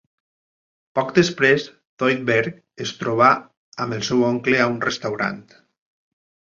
Poc després, Zoidberg es troba amb el seu oncle a un restaurant.